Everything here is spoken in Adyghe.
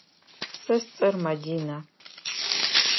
Сэ сцӏэр Мадинэ.